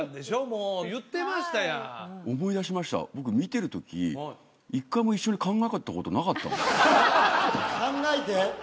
もう言ってましたやん思い出しました僕見てる時一回も一緒に考えたことなかった考えて！